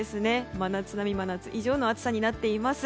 真夏並み真夏以上の暑さになっています。